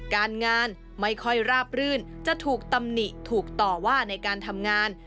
การงานไม่ค่อยราบรื่นจะถูกตำหนิถูกต่อว่าในการทำงาน